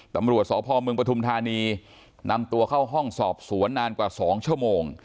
ตำรวจสพเมืองปฐุมธานีนำตัวเข้าห้องสอบสวนนานกว่า๒ชั่วโมง